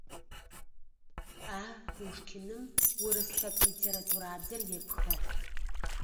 А. Пушкиным урыс лъэпкъ литературабзэр епхыгъ.